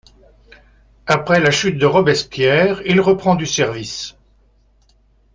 Après la chute de Robespierre, il reprend du service.